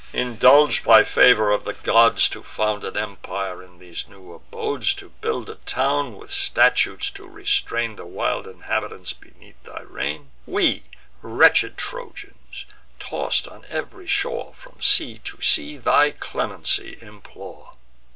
indulg'd by favour of the gods To found an empire in these new abodes, To build a town, with statutes to restrain The wild inhabitants beneath thy reign, We wretched Trojans, toss'd on ev'ry shore, From sea to sea, thy clemency implore.